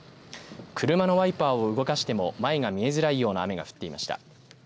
車のワイパーを動かしても前が見えづらいような雨が降っていました。